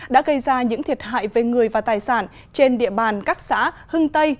đã gây ra những thiệt hại về người và tài sản trên địa bàn các xã hưng tây